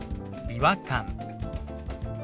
「違和感」。